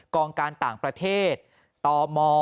กองการต่างประเทศตม